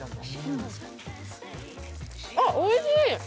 あっ、おいしい！